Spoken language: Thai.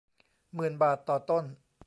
หมื่นบาทต่อต้น